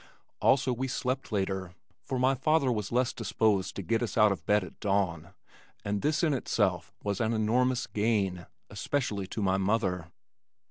Also we slept later, for my father was less disposed to get us out of bed at dawn and this in itself was an enormous gain, especially to my mother.